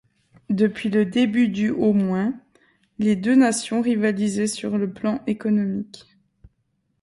Depuis le début du au moins, les deux nations rivalisaient sur le plan économique.